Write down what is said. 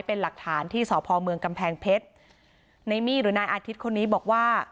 เป็นหลักฐานที่สพเมืองกำแพงเพชรในมี่หรือนายอาทิตย์คนนี้บอกว่า